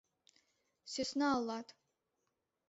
Сӧсна улат!..